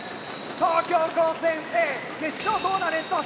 東京高専Ａ決勝トーナメント進出！